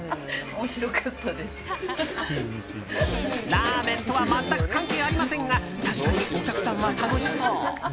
ラーメンとは全く関係ありませんが確かに、お客さんは楽しそう。